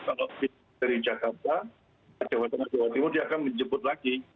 kalau dari jakarta jawa tengah jawa timur dia akan menjemput lagi